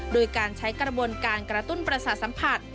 โดยการใช้กระบวนการกระตุ้นประสาทสัมผัส